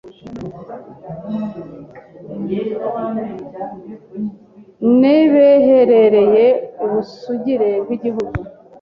n’ebeherenire ubusugire bw’Igihugu,